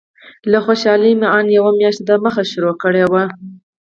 له خوشالۍ مې ان یوه میاشت دمخه شروع کړې وه.